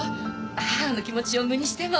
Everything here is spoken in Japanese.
義母の気持ちを無にしても。